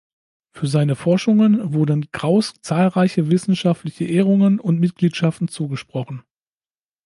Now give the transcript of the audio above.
Für seine Forschungen wurden Graus zahlreiche wissenschaftliche Ehrungen und Mitgliedschaften zugesprochen.